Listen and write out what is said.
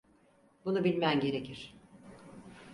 Bunu bilmen gerekir.